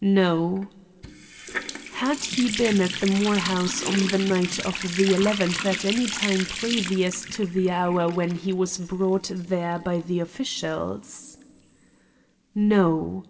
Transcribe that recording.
"No" Had he been at the Moore house on the night of the eleventh at any time previous to the hour when he was brought there by the officials? "No."